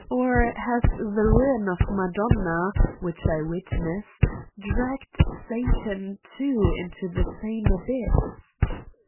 Or has the ruin of Madonna, which I witnessed, dragged Satan, too, into the same abyss?